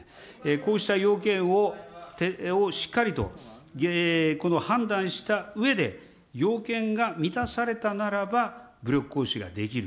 こうした要件をしっかりと判断したうえで、要件が満たされたならば武力行使ができる。